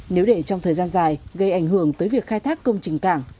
nếu để trong thời gian dài gây ảnh hưởng tới việc khai thác công trình cảng